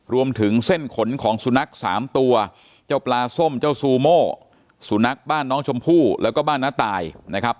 รวมถึงเส้นขนของสุนัขสามตัวเจ้าปลาส้มเจ้าซูโม่สุนัขบ้านน้องชมพู่แล้วก็บ้านน้าตายนะครับ